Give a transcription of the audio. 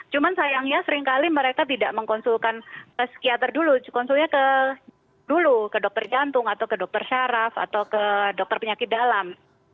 cuma sayangnya seringkali mereka tidak mengkonsulkan psikiater dulu konsulnya ke dulu ke dokter jantung atau ke dokter syaraf atau ke dokter penyakit dalam